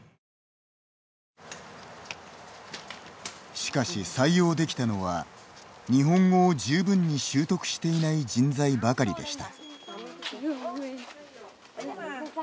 しかし、採用できたのは日本語を十分に習得していない人材ばかりでした。